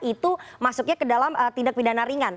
itu masuknya ke dalam tindak pidana ringan